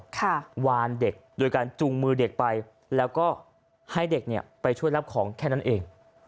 วานเด็กโดยการจุงมือเด็กไปแล้วก็ให้เด็กเนี่ยไปช่วยรับของแค่นั้นเอง